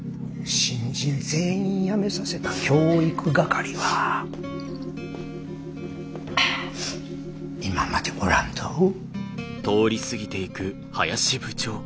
新人全員やめさせた教育係はあ今までおらんどぉ。